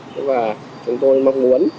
thế và chúng tôi mong muốn